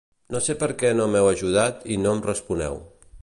No sé perquè no m'heu ajudat i no em responeu.